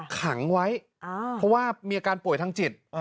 ขังไว้เพราะว่ามีอาการป่วยทางจิต